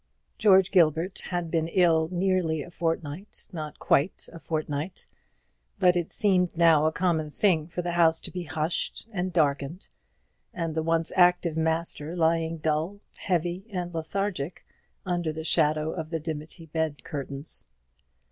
George Gilbert had been ill nearly a fortnight not quite a fortnight but it seemed now a common thing for the house to be hushed and darkened, and the once active master lying dull, heavy, and lethargic, under the shadow of the dimity bed curtains.